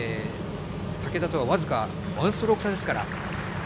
竹田とは僅か１ストローク差ですから。